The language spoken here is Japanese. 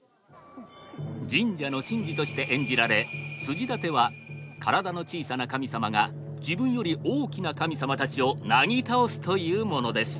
神社の神事として演じられ筋立ては体の小さな神様が自分より大きな神様たちをなぎ倒すというものです。